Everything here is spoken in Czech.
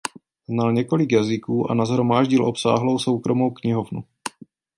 Znal několik jazyků a nashromáždil obsáhlou soukromou knihovnu.